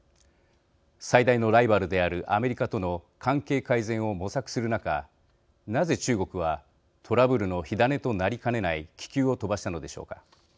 最大のライバルであるアメリカとの関係改善を模索する中、なぜ中国はトラブルの火種となりかねない気球を飛ばしたのでしょうか。